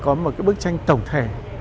cơ sở dữ liệu chuyên ngành